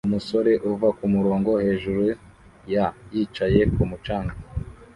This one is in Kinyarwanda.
Umusore uva kumurongo hejuru ya yicaye kumu canga